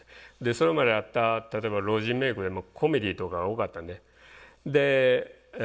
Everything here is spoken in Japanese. それまであった例えば老人メイクでもコメディーとかが多かったんで。